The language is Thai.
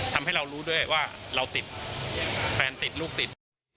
ทำให้เรารู้ด้วยว่าเราติดแฟนติดลูกติด